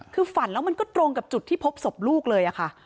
คือฝันแล้วมันก็ตรงกับจุดที่พบศพลูกเลยค่ะ